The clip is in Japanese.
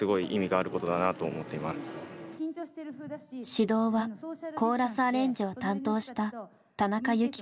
指導はコーラスアレンジを担当した田中雪子さん。